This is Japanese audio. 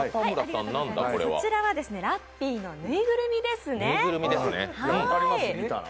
そちらはラッピーのぬいぐるみですね、はい。